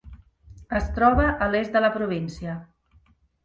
Es troba a l'est de la província.